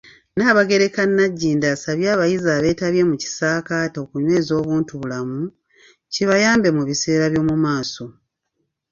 Nnaabagereka Nagginda asabye abayizi abeetabye mu kisaakaate okunyweza obuntubulamu, kibayambe mu biseera byomumaaso.